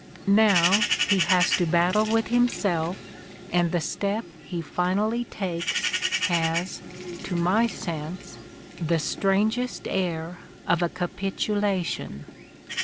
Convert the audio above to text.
Now he has to battle with himself and the step he finally takes has, to my sense, the strangest air of a capitulation.